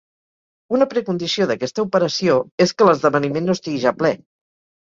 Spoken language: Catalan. Una precondició d'aquesta operació és que l'esdeveniment no estigui ja ple.